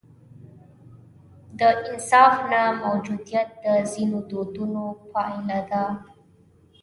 د انصاف نه موجودیت د ځینو دودونو پایله ده.